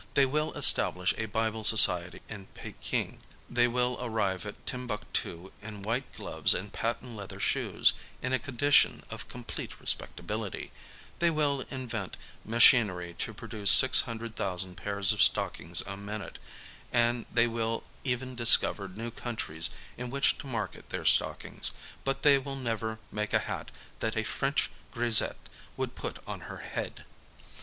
They will establish a Bible Society in Pekin ; they will arrive at Timbuctoo in white gloves and patent leather shoes, in a condition of complete respectability ; they will invent machinery to pro duce six hundred thousand pairs of stockings a minute, and they will even discover new countries in which to market their stockings; but they will never make a hat that a French grisette would put on her head.